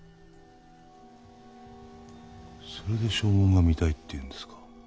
それで証文が見たいって言うんですか。